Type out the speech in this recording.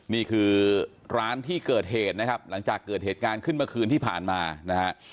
นี่คือร้านที่เกิดเหตุนะครับหลังจากเกิดเหตุการณ์ขึ้นเมื่อคืนที่ผ่านมานะฮะ